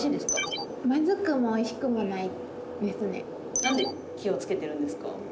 何で気をつけてるんですか？